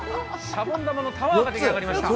シャボン玉のタワーが出来上がりました。